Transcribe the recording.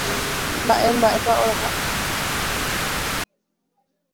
Mba'emba'épa oraha.